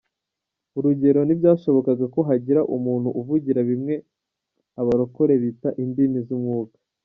Urugero ntibyashobokaga ko hagira umuntu uvugira bimwe abarokore bita indimi z’umwuka!